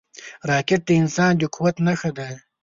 راکټ د انسان د قوت نښه ده